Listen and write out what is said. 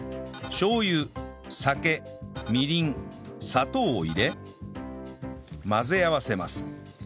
しょう油酒みりん砂糖を入れ混ぜ合わせます